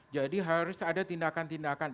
jadi harus ada tindakan tindakan